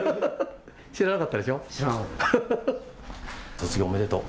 卒業おめでとう。